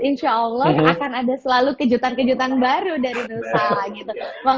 insya allah akan ada selalu kejutan kejutan baru dari nusa gitu